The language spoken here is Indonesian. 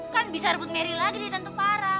kan bisa rebut merry lagi deh tante farah